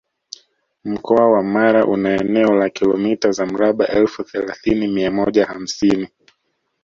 Mkoa wa Mara una eneo la Kilomita za mraba elfu thelathini mia moja hamsini